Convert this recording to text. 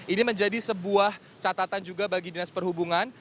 ini menjadi sebuah catatan juga bagi dinas perhubungan